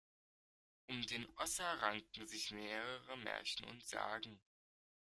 Um den Osser ranken sich mehrere Märchen und Sagen.